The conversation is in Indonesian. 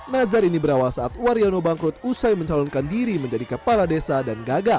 nazar ini berawal saat waryono bangkrut usai mencalonkan diri menjadi kepala desa dan gagal